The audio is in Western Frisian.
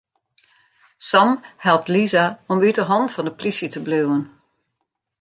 Sam helpt Lisa om út 'e hannen fan de polysje te bliuwen.